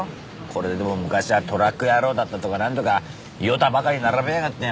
これでも昔はトラック野郎だったとかなんとかヨタばかり並べやがって。